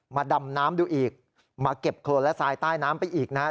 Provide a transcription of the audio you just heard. ดำน้ำดูอีกมาเก็บโครนและทรายใต้น้ำไปอีกนะครับ